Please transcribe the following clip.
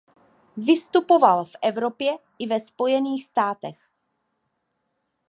Vystupoval v Evropě i ve Spojených státech.